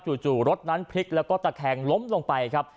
จู่รถนั้นพลิกแล้วก็ตะแคงล้มลงไปครับ